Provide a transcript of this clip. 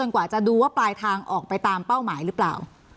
กว่าจะดูว่าปลายทางออกไปตามเป้าหมายหรือเปล่า